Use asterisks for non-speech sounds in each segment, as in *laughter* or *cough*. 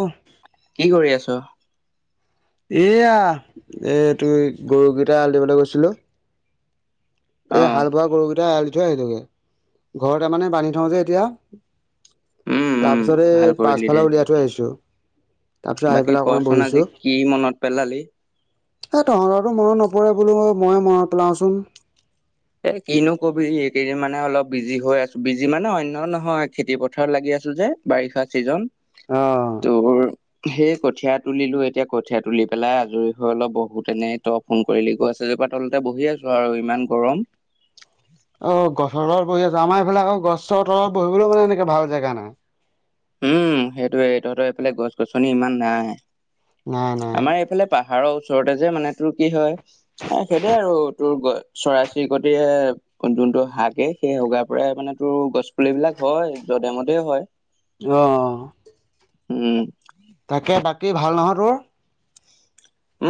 অ কি কৰি আছ? এয়া এই তুই গৰুকেইটা আল দি বান্দা গৈছিলোঁ। অ এই হাল বোৱা গৰুকেইটা এৰালি থৈ আহিলগৈ ঘৰতে মানে বান্ধি থওঁ যে উম এতিয়া। তাৰ উম পিছতে ভাল কৰিলি দে পাছফালে উলিয়াই থৈ আহিছোঁ। বাকী কচোন আজি কি মনত পেলালি। এ তহঁতৰতো মনত নপৰে বুলি ময়ে মইয়ে মনত পেলাওঁচোন। এ কিনো কবিহি কেইদিন মানে অলপ বিজি হৈ আছো বিজি মানে অন্য নহয়, খেতি পথাৰ লাগি আছো যে বাৰিষা চিজন। অ ' সেই কঠিয়া তুলিলোঁ এতিয়া কঠিয়া তুলি পেলাই আজৰি হৈ অলপ বহুত তেনেতে ফোন কৰিলে ক ছে। কপা তলতে বহি আছো আৰু ইমান গৰম। অ গছৰ তলত বহি আছো আমাৰ এইভালে আহক গছৰ তলত বহিবলৈও মানে এনেকা ভাল জেগা নাই। উম সেইটোয়ে তহঁতৰ এইফালে গছ -গছনি ইমান নাই। নাই নাই আমাৰ এইফালে পাহাৰৰ ওচৰতে যে মানে চোন কি হয়? এ সেইটোৱে আৰু উত্তৰবোৰ। চৰাই- চিৰিকতিয়ে যোনটো হাগে সেই হগাৰ পৰাই মানে টো গছ পুলিবিলাক হয়। যতে - মতেও হয়। অ - অ। উম, তাকে বাকী ভাল নহয় তোৰ?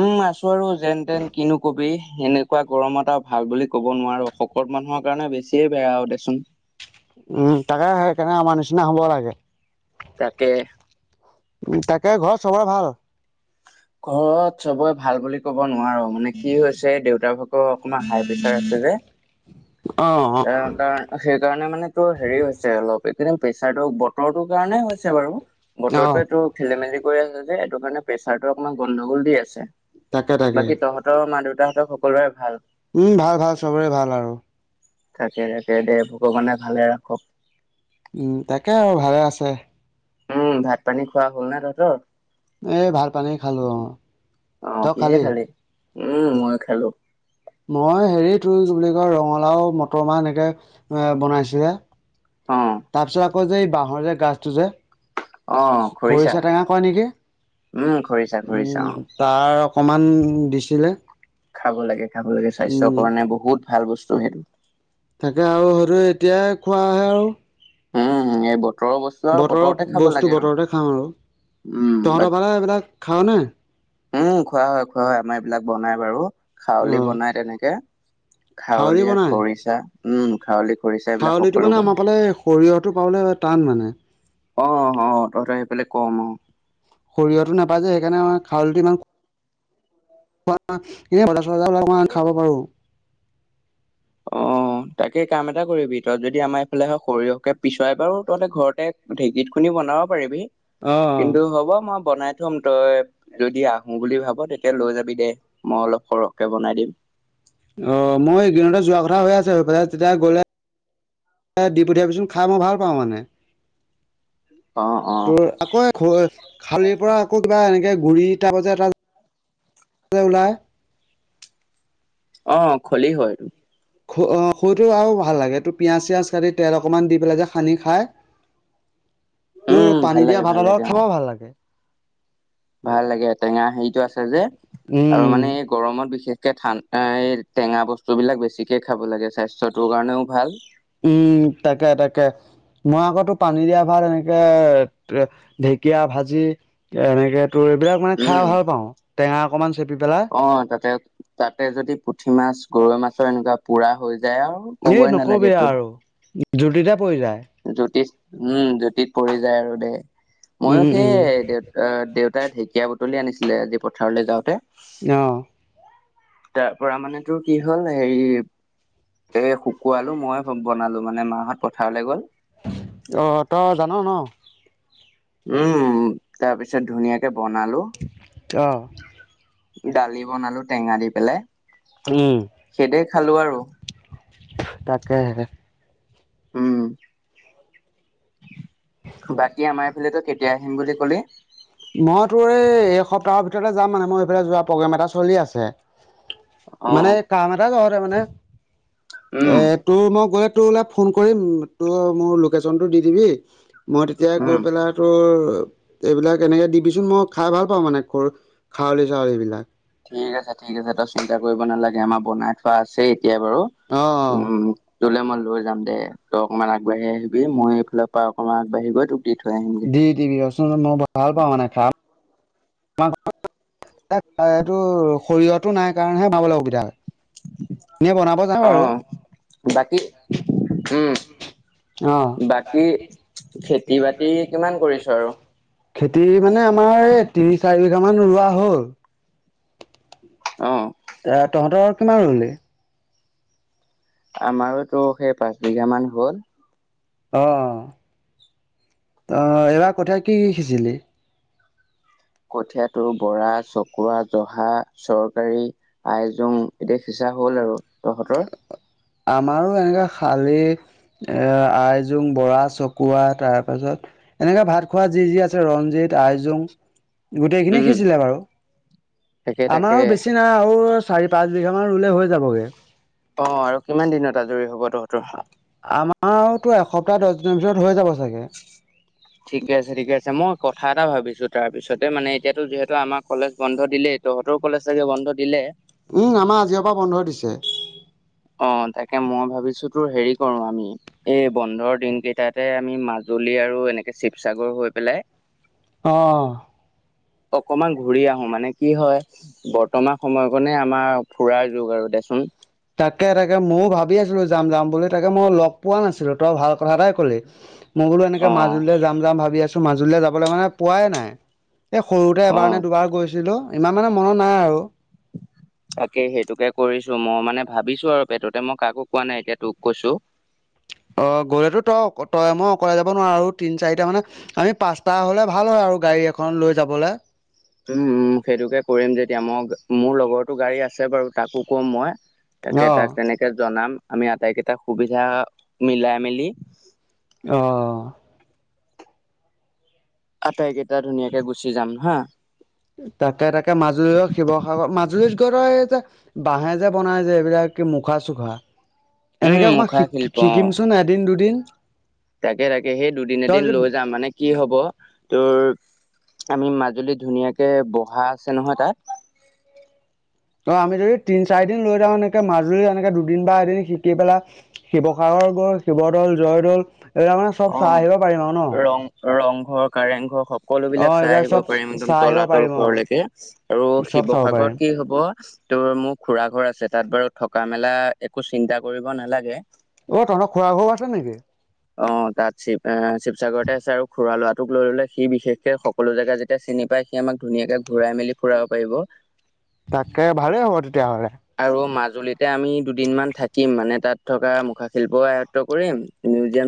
উম আছো আৰু যেন- তেন কিনো কবি এনেকুৱা গৰমত আৰু ভাল বুলি ক'ব নোৱাৰোঁ। সবত - মানুহৰ কাৰণে বেছিয়ে বেয়া হ'ব দিওকচোন উম তাকে সেইকাৰণে আমাৰ নিচিনা হব লাগে। তাকে, উ তাকে ঘৰত চবৰে ভাল? ঘৰত সবে ভাল বুলি ক'ব নো নোৱাৰো মানে কি হৈছে দেউতা হকৰ অকমান হাই প্ৰেচাৰ আছে যে। অ তেওঁ তাই সেইকাৰণে মানে তোৰ হেৰি হৈছে অলপ। এইকেইদিন প্ৰেচাৰটো বতৰটোৰ কাৰণে হৈছে বাৰু! অ বতৰটোয়ে তোৰ খেলি-মেলি কৰি আছে যে এইটো কাৰণে প্ৰেছাৰতো অকমান গণ্ডগোল দি আছে। তাকে তাকে বাকী তহঁতৰ মা-দেউতা সকলোৰে ভাল? উম ভাল ভাল, চবৰে ভাল আৰু। তাকে তাকে দে' ভগৱানে ভালে ৰাখক। উম, তাকে আৰু ভালে আছে। উম, ভাত পানী খোৱা হ'ল না তহঁতৰ? এ ভাল পানী খালো অ'। অ', কিহে খালি? উম মইও খালো। মই হেৰি তোৰ কি বুলি কয় ৰঙালাও মটৰ মাহ এনেকে এ বনাইছিলে। অ তাৰপিছত আকৌ যে এই বাঁহৰ যে গাজটো যে। খৰিচা টেঙা কয় নেকি উম খৰিচা খৰিচা অ। উম তাৰ সমান দিছিলে খাব লাগে খাব লাগে স্বাস্থ্যৰ উম কাৰণে বহুত ভাল বস্তু সেইটো। তাকে আৰু সৰু এতিয়াই খোৱা আহে আৰু উম হেইবো বতৰৰ বস্তু বতৰতে খাওঁ আৰু উম বাকী তহঁতৰ পালে এইবিলাক খাওঁ নে। উম খোৱা হয় খোৱা হয় আমাৰ এইবিলাক বনাই বাৰু অ খউলি বনাই তেনেকে খাৱলি খাৱলীয়া খৰিচা উম খাৱলীয়া। খউলিটো মানে আমাৰ পালে সৰিয়হৰটো পাবলে টান মানে অ', অ তহঁতৰ সেইফেলে কম অ সৰিয়হতটো নাপায় যে সেইকাৰণে আমাৰ খাউলটো ইমান *unintelligible* খাব পাৰোঁ অ *unintelligible* তাকে কাম এটা কৰিবি তই যদি আমাৰ ইফালে হয় সৰিয়হকে পিচুৱাই বাৰু তহঁতে ঘৰতে ঢেঁকীত খুনি বনাব তইও পাৰিবি অ', কিন্তু হ'ব মই বনাই প্ৰথম তই যদি আহোঁ বুলি ভাব তেতিয়া লৈ যাবি দে মই অলপ সৰহকে বনাই দিম। অ' মই এইকেইদিনতে যোৱা কথা হৈ আছে সেইফালে তেতিয়া গ'লে দি পঠিয়াবিচোন খাই মই ভাল পাওঁ মানে। অ', অ', তোৰ আকৌ খালিৰ পৰা আকৌ কিবা এনেকে ঘুৰি তাইপৰ যে এটা ওলাই অ' খলিহৈ স অ' সৰুটো আৰু ভাল লাগে এইটো পিয়াজ চিয়াজ কাটি তেল অকনমান দি পেলাই যে সানি খায়। তোৰ উম, ভাল পানী লাগে, দিয়া ভাল ভাতৰ লাগে লগত অ', খাব ভাল লাগে। ভাল লাগে টেঙা হেৰিতটো আছে যে আৰু উম। মানে এই গৰমত বিশেষ এই টেঙা বস্তু বিলাক বেছিকে খাব লাগে স্বাস্থ্যটোৰ কাৰণেও ভাল। উম তাকে তাকে। মই আকৌ তোৰ পানী দিয়া ভাত এনেকে ঢেকীয়া ভাজি এনেকে তোৰ এইবিলাক মানে খাই উম, ভাল পাওঁ টেঙা অকমান চেপি পেলাই অ' তাকে তাতে যদি পুঠি মাছ গৰৈ মাছৰ এনেকুৱা পোৰা হৈ য যায় আৰু এই ক'বই নকবি নালাগে তোৰ। আৰু জুতিতে পৰি যায়। জুতিত উম জুতিত পৰি যায় আৰু দে, ময়ো উম উম সেই দেউ দেউতাই ঢেকীয়া বু বুতলি আনিছিলে আজি পথাৰলৈ যাওঁতে। অ'। তাৰ পৰা মানে তোৰ কি হ'ল হেৰি এ শুকুৱাল মই বনালো মানে মাহত পথাৰলৈ গ'ল অ তই জান ন উম তাৰ পিছত ধুনীয়াকে বনালো। অ দালি বনালো টেঙা দি পেলাই সে দে খালো আৰু। তাকেহে। উম। বাকী আমাৰ এইফালে তই কেতিয়া আহিম বুলি ক'লি? মই তোৰ এই এই সপ্তাহৰ ভিতৰতে যাম মানে মই এইফালে যোৱা প্ৰগ্ৰাম এটা চলি আছে। মানে অ', কাম এটা জহতে মানে। উম। এ তোৰ, মই গলে তোৰলে ফোন কৰিম তোৰ মোৰ লোকেশনটো দি দিবি। মই তেতিয়া উম। গৈ পেলাই তোৰ এইবিলাক তেনেকে দিবিচোন মই খাই ভাল পাওঁ মানে খাউলি চাউলী বিলাক ঠিক আছে ঠিক আছে তই চিন্তা কৰিব নালাগে আমাৰ বনাই থোৱা আছেই। এয়াই বাৰু অ অ উম। তোলে মই লৈ যাম দে, তই অকনমান আগবাঢ়ি আহিবি মই এইফালৰ পৰা অকনমান আগবাঢ়ি গৈ তোক দি থৈ আহিমগে। দি দিবি অচোন মই ভাল পাওঁ মানে খাম *unintelligible* এইটো সৰিয়হতো নাই কাৰণেহে পাবলৈ অসুবিধা হয়। এনেই বনাব যাওঁ আৰু। অ', বাকী উম, বাকী খেতি বাতি কিমান কৰিছ আৰু? আহ। খেতি মানে আমাৰ এই তিনি চাৰি বিঘা মান ৰোৱা হ'ল। অ'। এ, তহঁতৰ কিমান ৰুলি? আমাৰোতো সেই পাঁচ বিঘা মান হ'ল। অ', তই এইবাৰ কঠীয়া কি, কি সিছিলি? কঠীয়া‌ তোৰ বৰা, চকুৱা, জহা, চৰকাৰী, আইজং এতিয়া হিচাপ হ'ল আৰু তহঁতৰ আমাৰো এনেকা খালি এ, আইজং, বৰা, চকুৱা তাৰপাছত এনেকা ভাত খোৱা যি, যি আছে ৰঞ্জিত, আইজুং। গোটেইখিনি উম। সিছিলে বাৰু, তাকে তাকে আমাৰো বেছি নাই আৰু চাৰি, পাঁচ বিঘা মান ৰুলে হৈ যাবগে। অ', আৰু কিমান দিনত আজৰি হ'ব তহঁতৰ? আমাৰ তোৰ এসপ্তাহ, দচ দিনৰ ভিতৰত হৈ যাব চাগে। ঠিকে আছে, ঠিকে আছে মই কথা এটা ভাবিছোঁ, তাৰপিছতে মানে এতিয়াতো যিহেতু আমাৰ কলেজ বন্ধ দিলে। তহঁতৰো কলেজ চাগে বন্ধ দিলে? উম, আমাৰ আজিৰে পৰা বন্ধ দিছে। অ', তাকে, মই ভাবিছোঁ তোৰ হেৰি কৰোঁ, আমি এই বন্ধৰ দিন কেইটাতে আমি মাজ জুলি আৰু এনেকে শিৱসাগৰ হৈ পেলাই অ'। অকমান ঘুৰি আহোঁ, মানে কি হয়, বৰ্তমান সময়কণে আমাৰ ফুৰাৰ যুগ আৰু। দেচোন। তাকে, তাকে, ময়ো ভাবি আছিলোঁ যাম, যাম বুলি তাকে, মই লগ পোৱা নাছিলোঁ, তই ভাল কথা এটাই কলি। মই বোলো এনেকে অ মাজুলীলৈ যাম, যাম ভাবি আছোঁ, মাজুলীলে যাবলৈ মানে পোৱাই নাই। এই সৰুতে অ এবাৰনে দুবাৰ গৈছিলোঁ, ইমান মানে মনত নাই আৰু। তাকে, সেইটোকে কৰিছোঁ, মই মানে ভাবিছোঁ আৰু পেটতে মই কাকো কোৱা নাই এতিয়া তোক কৈছোঁ। অ', গ'লে তো তই-তই মই অকলে যাব নোৱাৰো, তিন চাৰিটা মানে আমি পাঁচটা হ'লে ভাল হয় আউ। আৰু গাড়ী এখন লৈ যাবলে। উম, উম, সেইটোকে কৰিম যেতিয়া মই মোৰ লগৰটো গাড়ী আছে বাৰু তাকো কম মই। তাকে অ তাক তেনেকে জনাম আমি আটাইকেইটা সুবিধা, মিলাই মেলি। অ', আটাইকেইটা ধুনীয়াকে গুচি যাম, হা? তাকে তাকে মাজুলীত বাঁহেৰে যে বনাই যে এইবিলাক কি মুখা চুখা। উম এনেকে অকমন মুখা শিল্প অ শি-শিকিম চোন এদিন দুদিন। তাকে তাকে সেই দুদিনে তই এদিন যদি লৈ যাম মানে কি হ'ব, তোৰ আমি মাজুলীত ধুনীয়াকে বহা আছে ন' তাত? অ আমি যদি তিন চাৰি দিন লৈ যাওঁ এনেকে মাজুলী এনেকে দুদিন বা এদিন শিকি পেলাই, শিৱসাগৰ গৈ শিৱদৌল, জয়দৌল এইবিলাক মানে চব চাই আহিব পাৰিম আৰু ন'। ৰং ৰংঘৰ অ', কাৰেংঘৰ। সকলো অ বিলাক চাই এইবিলাক আহিব চব পাৰিম একদম চাই আহিব তলাতল পাৰিম অ ঘৰলৈকে, আৰু চব চাব পাৰিম। শিৱসাগৰত কি হ'ব তোৰ মোৰ খুৰা ঘৰ আছে তাত বাৰু থকা মেলা একো চিন্তা কৰিব নালাগে। অ', তহতৰ খুৰাৰ ঘৰ আছে নেকি? অ', তাত শিৱ-শিৱসাগৰতে আছে আৰু খুৰা ল'ৰাটোক লৈ আহিলে সি বিশেষকে সকলো জেগা যেতিয়া চিনি পা পাই সি আমাক ধুনীয়াকে ঘুৰাই মেলি ফুৰাব পাৰিব। তাকে ভালে হ'ব তেতিয়াহ'লে। আৰু মাজুলীতে আমি দুদিনমান থাকিম মানে তাত থকা মুখাশিল্পও আয়ত্ব কৰিম।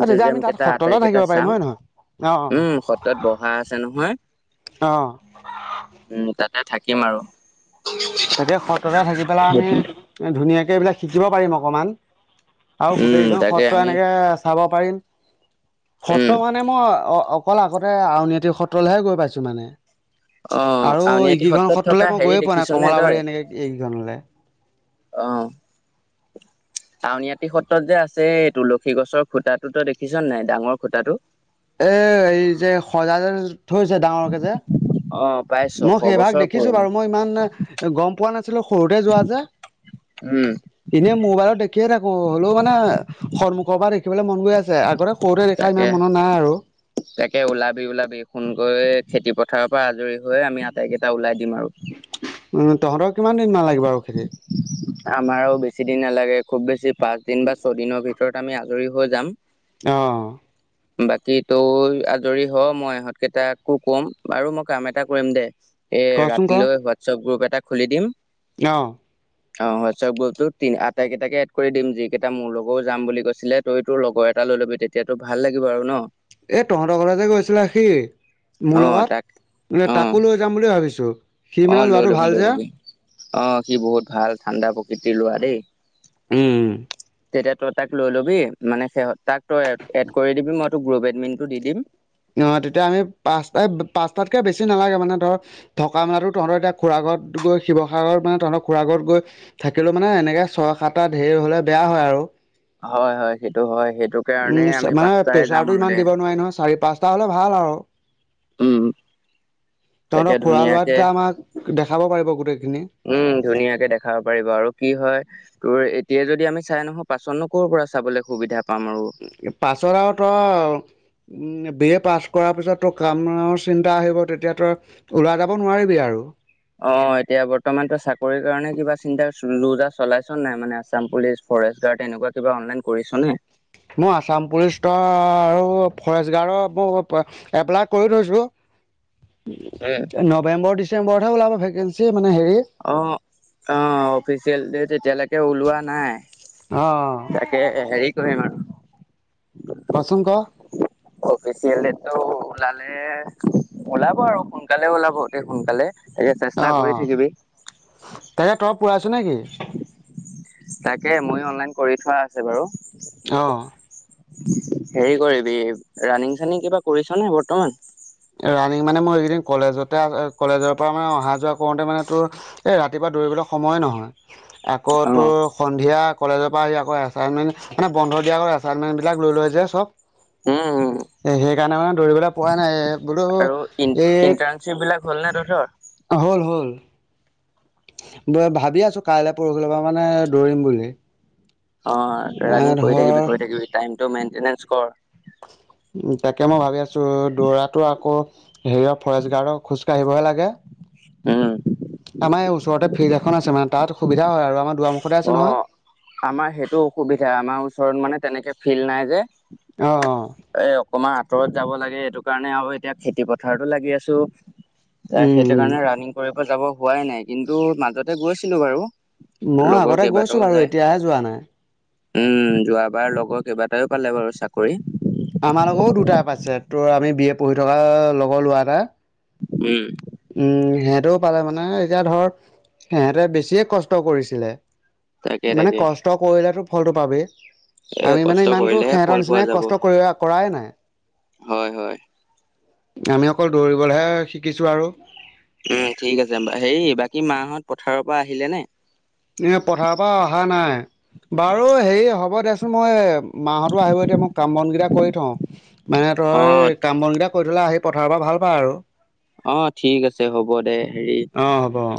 অ তেতিয়া আমি চিউজিয়াম তাত কেইটা সত্ৰতে আটাই কেইটা থাকিব পাৰিম চাম, হয় নহয় অ অ উম, সত্ৰত বহা আছে নহয়। অ', উম, তাতে থাকিম আৰু। তাকে সত্ৰতে থাকি পেলাই আমি, ধুনীয়াকে এইবিলাক শিকিব পাৰিম অকমান। আৰু উম গোটেইকেইখন তাকে সত্ৰ আমি এনেকে চাব পাৰিম। উম, সত্ৰ মানে মই অ অকল আগতে আউনীআটী সত্ৰলৈহে গৈ পাইছো মানে। অ, আৰু আউনীআটী ইগিখন সত্ৰত থকা সত্ৰলে মই হেৰি গৈয়ে পোৱা নাই দেখিছনে কমলাবাৰী এনেকে এইকেইখনলে। অহ। আউনআটি সত্ৰত যে আছে, তুলসী গছৰ খুটাটো ত‌ই দেখিছ নাই ডাঙৰ খুটাটো? এ এই যে সজাই যে থৈছে ডাঙৰকে যে, অ, প্ৰায় ছশ মই সেইভাগ বছৰ দেখিছো পুৰণি। বাৰু মই ইমান গম পোৱা নাছিলো সৰুতে যোৱা যে। উম, এনেই মোবাইলত দেখিয়ে থাকো, হ'লেও মানে সন্মুখৰ পৰা দে দেখিবলৈ মন গৈ আছে, আগতে সৰুতে দেখা তাকে ইমান মনত নাই আৰু। তাকে ওলাবি ওলাবি ফোনকৈ খেতি পথ থাৰৰ পৰা আজৰি হৈ আমি আটাইকেইটা ওলাই দিম আৰু। উম তহঁতৰ কিমান দিন মান লাগিব আৰু খেতিত আমাৰও বেছি দিন নালা গে। খুব বেছি পাঁচ দিন বা ছয় দিনৰ ভিতৰত আমি আজৰি হৈ যাম। অঁ। বাকী ত‌ই আজৰি হ, মই ইহঁতকেইটাকো ক'ম। আৰু মই কাম এটা কৰিম দে। এ কচোন ৰাতিলৈ হোৱাটছআপ গ্ৰুপ এটা খুলি দিম। অঁ। অ হোৱাটছআপ গ্ৰুপটোত তি আটাইকেইটাকে এড কৰি দিম, যিকেইটা মোৰ লগৰ ও যাম বুলি কৈছিলে। ত‌ই তোৰ লগৰ এ টা লৈ ল'বি তেতিয়াতো ভাল লাগিব আৰু ন। এই তহঁতৰ ঘৰলে যে গৈছিলে সি অ মোৰ লগত, তাক মানে অ তাকো লৈ যাম বুলি ভাবিছো। সি অ মানে লৈ ল'ৰাটো লবি ভাল লৈ যে লবি। অ সি বহুত ভাল ঠাণ্ডা প্ৰকৃতিৰ ল'ৰা দেই। উম। তেতিয়া তই তাক লৈ লবি মানে তাক তই এড কৰি দিবি মই তোৰ গ্ৰুপ এডমিনটো দি দিম। অ তেতিয়া আমি পাঁচতাই পাঁচটাতকে বেছি নালাগে মানে ধৰ থকা মেলা তহঁতৰ এতিয়া খুৰা ঘৰ। ঘৰত গৈ শিৱসাগৰত মানে তহঁতৰ খুৰা ঘৰত গৈ থাকিলেও মানে, এনেকে ছয় সাতটা ধেৰ হ'লে বেয়া হয় আৰু। হয়, হয়, সেইটো হয়। সেইটো কাৰণে উম আমি মানে পাঁচটাই যাম প্ৰেচাৰটো আৰু দে ইমান দিব নোৱাৰি। নহয় চাৰি পাঁচটা হ'লে ভাল আৰু। উম তাকে তহঁতৰ খুৰা ল'ৰা ধুনীয়াকে। তেতিয়া আমাক দেখাব পাৰিব গোটেইখিনি। উম ধুনীয়াকে দেখাব পাৰিব আৰু কি হয় তোৰ। এতিয়া যদি আমি চাই নাহো। পাচত নো ক'ৰ পৰা চাবলৈ সুবিধা। পাম আৰু পাছত আৰু তই। উম বি এ পাছ কৰাৰ পিছত তই কামৰ চিন্তা আহিব। তেতিয়া তই ওলাই যাব নোৱাৰিবি আৰু। অ এতিয়া বৰ্তমান তো চাকৰি কাৰণে কিবা চিন্তা লো যা চলাইছ নাই মানে আছাম পুলিচ। ফৰেষ্ট গাৰ্ড এনেকুৱা কিবা অনলাইন কৰিছ নে? ফৰেষ্টগাৰ্ডৰ *unintelligible* এপ্লাই কৰি থৈছো, উম। নৱেম্বৰ ডিচে বৰ্তমান ওলাব, ভেকেঞ্চি। মানে হেৰি অ', অ, অফিচিয়েল ডেট এতিয়ালৈকে ওলোৱা নাই। অ'। তাকে, হেৰি কৰিম আৰু। কচোন ক' অ', অফিচিয়েল ডেটটো ওলালে, ওলাব আৰু সোনকালে ওলাব অতি সোনকালে। তাকে অ', চেষ্টা কৰি অ'। থাকিবি তাকে, তই *unintelligible* নেকি? তাকে, মইও অনলাইন কৰি থোৱা আছে বাৰু। অ'। হেৰি কৰিবি, ৰাণিং চানিং কিবা কৰিছ' নে বৰ্তমান? ৰানিং মানে মোৰ এইকেইদিন কলেজতে কলেজৰ পৰা মানে অহা যোৱা কৰোঁতে মানে তোৰ এই ৰাতিপুৱা দৌৰিবলৈ সময় নহয়, আকৌ অ তোৰ উম সন্ধিয়া। কলেজৰ পৰা আহি আকৌ এছাইনমেন্ট মানে, বন্ধ দিয়াৰ আগত এছাইনমেন্ট বিলাক লৈ লৈ যে চব। উম এ সেইকাৰণে মানে, দৌৰিবলে পোৱা নাই এ। আৰু ইন *unintelligible* এই ইণ্টাৰ্ণশ্বিপ বিলাক হ'ল নে তহঁতৰ? হল, হল। *unintelligible* ভাবি আছো, কাইলে পৰহিলে পৰা মানে দৌৰিম বুলি। অ', মানে ৰাণিং কৰি ধৰ থাকিবি, কৰি থাকিবি টাইমটো মেইনটেনেন্স ক'ৰ। তাকে মই ভাবি আছো, দৌৰাতো আকৌ হেৰিয়ে ফৰেষ্ট গাৰ্ডৰ খোজকাঢ়িবহে লাগে? উম। এ, ওচৰতে ফিল্ড এখন আছে। মানে, তাত সুবিধা হয় আৰু আমাৰ। দুৱাৰমুখতে আছে অ', নহয় আমাৰ সেইটো অসুবিধা। আমাৰ ওচৰত মানে, তেনেকে ফিল্ড নাই যে। অ', অ'। এ, অকমান আঁতৰত যাব লাগে। এইটো কাৰণে আৰু, এতিয়া খেতি পথাৰটো লাগি আছো। এ উম সেইটো উম কাৰণে, ৰাণিং কৰিব যাব হোৱাই নাই। কিন্তু, মাজতে গৈছিলো বাৰু। মই লগৰ আগতে গৈছো কেইবাটাও বাৰু, যায় এতিয়াহে যোৱা নাই। উম, যোৱাবাৰ লগৰ কেইবাটাইও পালে বাৰু চাকৰি। আমাৰ লগৰও দুটা পাইছে, তোৰ আমি বি এ পঢ়ি থকা লগৰ ল'ৰা এটা। উম। উম, সেহঁতেও পালে মানে, এতিয়া ধৰ সেহঁতে বেছিয়ে কষ্ট কৰিছিলে। তাকে মানে, তাকে কষ্ট কৰিলেতো ফলটো পাবি। এ আমি কষ্ট মানে ইমানতো কৰিলেহে ফল সিহঁতৰ পোৱা নিচিনাই যাব কষ্ট কৰি কৰাই নাই হয়, হয়। আমি অকল দৌৰিবলৈহে শিকিছো, আৰু। উম, ঠিক আছে, হেৰি বাকী মাঁহত পথাৰৰ পৰা আহিলে নে? এ পথাৰৰ পৰা অহা চোন মই মাঁহতো আহিব, এতিয়া মই কাম বন কেইটা কৰি থওঁ। মানে, তই এই অ কাম বন কেইটা। কৰি থলে, আহি পথাৰৰ পৰা ভাল পায় আৰু। অ', ঠিক আছে, হ'ব দে হেৰি। অ হ'ব অ